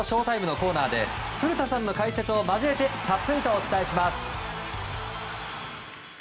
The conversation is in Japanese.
ＳＨＯ‐ＴＩＭＥのコーナーで古田さんの解説を交えてたっぷりとお伝えします。